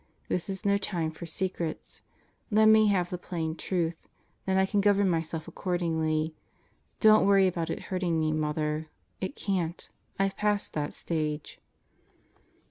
This is no time for secrets. Let me have the plain truth. Then I can govern myself accordingly. Don't worry about it hurting me, Mother. It can't. I've passed that stage.